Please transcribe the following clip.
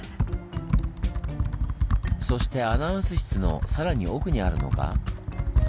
そしてアナウンス室の更に奥にあるのが。